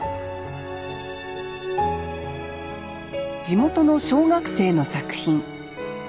地元の小学生の作品。